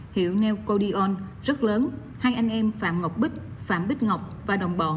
hiệu neocordion rất lớn hai anh em phạm ngọc bích phạm bích ngọc và đồng bọn